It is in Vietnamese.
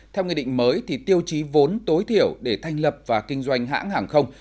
theo nghị định mới tiêu chí vốn tối thiểu để thanh lập và kinh doanh hãng hàng không